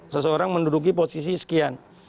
seseorang menduduki posisi sekian